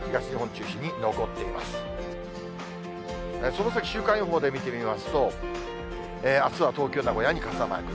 その先週間予報で見てみますと、あすは東京、名古屋に傘マーク。